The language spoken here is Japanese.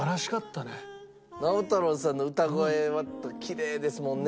直太朗さんの歌声はきれいですもんね。